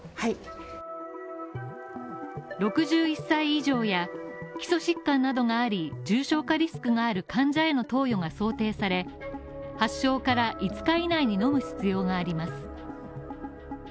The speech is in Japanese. ６１歳以上や基礎疾患などがあり、重症化リスクのある患者への投与が想定され、発症から５日以内に飲む必要があります。